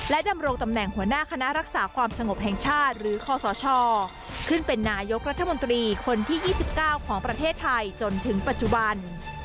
ดำรงตำแหน่งหัวหน้าคณะรักษาความสงบแห่งชาติหรือคศขึ้นเป็นนายกรัฐมนตรีคนที่๒๙ของประเทศไทยจนถึงปัจจุบัน